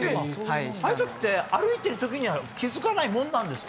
ああいう時って歩いている時には気づかないものなんですか。